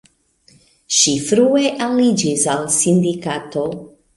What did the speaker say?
Ŝi frue aliĝis al sindikato.